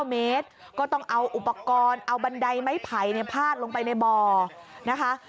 ๙เมตรก็ต้องเอาอุปกรณ์เอาบันไดไม้ไผ่พาดลงไปในบ่อนะคะ